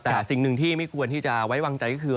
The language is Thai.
แต่สิ่งหนึ่งที่ไม่ควรที่จะไว้วางใจก็คือ